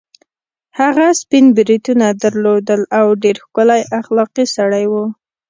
هغه سپین بریتونه درلودل او ډېر ښکلی اخلاقي سړی وو.